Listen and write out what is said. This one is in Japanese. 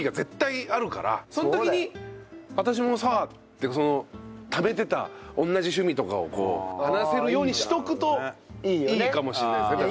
その時に私もさってそのためてた同じ趣味とかを話せるようにしとくといいかもしれないですね